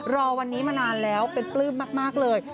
รอวันนี้มานานแล้วเป็นปลื้มมากเลย